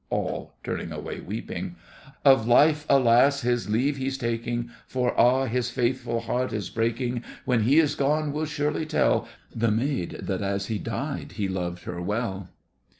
ALL (turning away, weeping). Of life, alas! his leave he's taking, For ah! his faithful heart is breaking; When he is gone we'll surely tell The maid that, as he died, he loved her well.